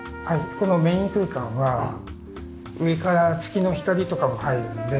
このメイン空間は上から月の光とかが入るので。